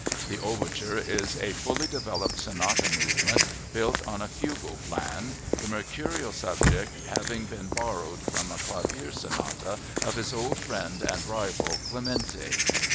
This overture is a fully developed sonata movement built on a fugal plan, the mercurial subject having been borrowed from a clavier sonata of his old friend and rival, Clementi.